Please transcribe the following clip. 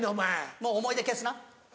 もう思い出消すな。